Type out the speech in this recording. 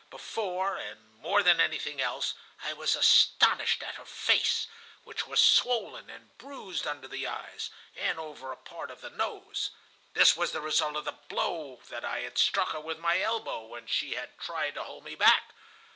Before, and more than anything else, I was astonished at her face, which was swollen and bruised under the eyes and over a part of the nose. This was the result of the blow that I had struck her with my elbow, when she had tried to hold me back.